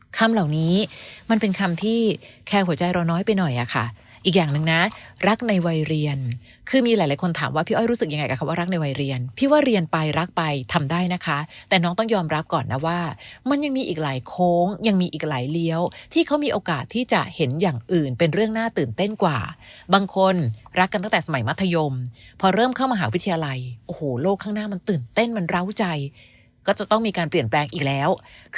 คำเหล่านี้มันเป็นคำที่แคร์หัวใจเราน้อยไปหน่อยอ่ะค่ะอีกอย่างนึงนะรักในวัยเรียนคือมีหลายคนถามว่าพี่อ้อยรู้สึกยังไงกับคำว่ารักในวัยเรียนพี่ว่าเรียนไปรักไปทำได้นะคะแต่น้องต้องยอมรับก่อนนะว่ามันยังมีอีกหลายโค้งยังมีอีกหลายเลี้ยวที่เขามีโอกาสที่จะเห็นอย่างอื่นเป็นเรื่องน่าตื่นเต้นกว่